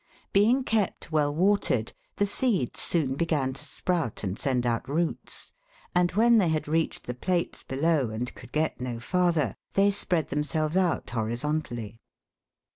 Being kept well watered, the seeds soon began to sprout and send out roots, and when they had reached the plates below and could get no farther, they spread themselves out horizontally.